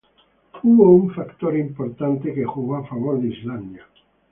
Hubo un factor importante que jugó a favor de Islandia.